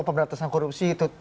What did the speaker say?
pemberantasan korupsi itu